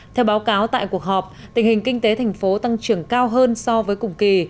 theo báo cáo tại cuộc họp tình hình kinh tế thành phố tăng trưởng cao hơn so với cùng kỳ